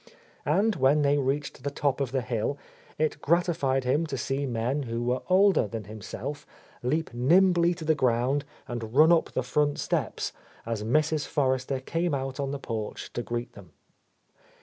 And when they reached the top of the hill, it gratified him to see men who were older than himself leap nimbly to the ground and run up the front steps as Mrs. Forrester came out on the porch to greet them.